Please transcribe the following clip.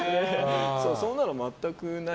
そんなの全くないよ。